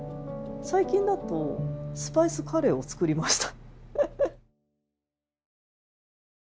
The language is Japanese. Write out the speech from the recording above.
最近だとスパイスカレーを作りました。